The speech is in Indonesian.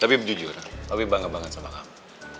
tapi jujur tapi bangga banget sama kamu